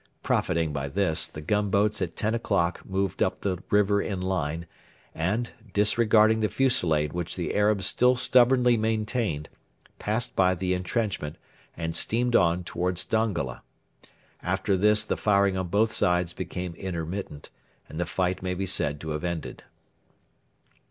Profiting by this, the gunboats at ten o'clock moved up the river in line, and, disregarding the fusillade which the Arabs still stubbornly maintained, passed by the entrenchment and steamed on towards Dongola. After this the firing on both sides became intermittent, and the fight may be said to have ended.